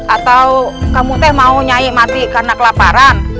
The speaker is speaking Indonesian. atau kamu teh mau nyari mati karena kelaparan